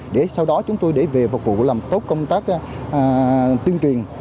để sau đó chúng tôi để về phục vụ làm tốt công tác tuyên truyền